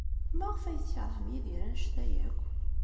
Maɣef ay tkeṛhemt Yidir anect-a akk?